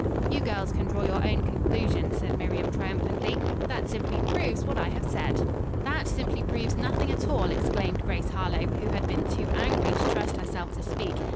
"You girls can draw your own conclusions," said Miriam triumphantly. "That simply proves what I have said." "That simply proves nothing at all," exclaimed Grace Harlowe, who had been too angry to trust herself to speak.